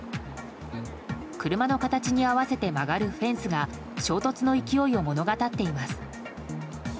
車の形に合わせて曲がるフェンスが衝突の勢いを物語っています。